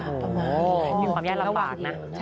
โอ้โฮมีความยากลำบากนะ